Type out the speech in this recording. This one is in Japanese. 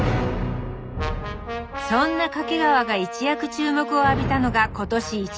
そんな掛川が一躍注目を浴びたのが今年１月。